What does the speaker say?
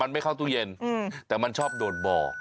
มันไม่เข้าตู้เย็นแต่มันชอบโดดบ่อ